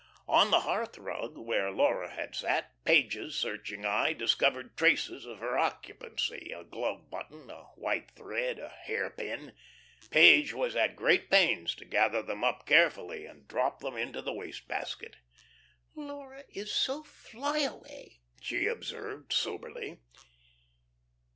On the hearth rug, where Laura had sat, Page's searching eye discovered traces of her occupancy a glove button, a white thread, a hairpin. Page was at great pains to gather them up carefully and drop them into the waste basket. "Laura is so fly away," she observed, soberly.